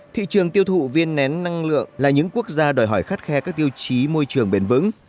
thị trường tiêu thụ viên nén năng lượng là những quốc gia đòi hỏi khắt khe các tiêu chí môi trường bền vững